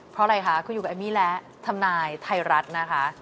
เพราะอะไรคะคุณอยู่กับเอมมี่และทำนายไทยรัฐนะคะ